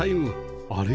あれ？